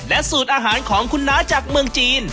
สูตรอาหารของคุณน้าจากเมืองจีน